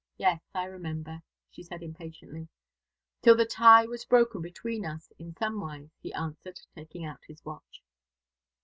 Yes, I remember," she said impatiently. "Till the tie was broken between us, in somewise," he answered, taking out his watch.